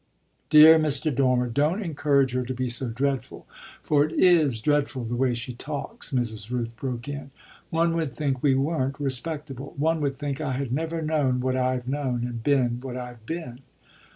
"Dear Mr. Dormer, don't encourage her to be so dreadful; for it is dreadful, the way she talks," Mrs. Rooth broke in. "One would think we weren't respectable one would think I had never known what I've known and been what I've been."